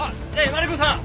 マリコさん！